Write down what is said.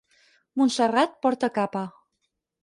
Montserrat porta capa.